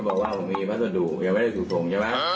จะบอกว่าผมมีพัสดุอย่าไว้ในสู่ฝงใช่ไหม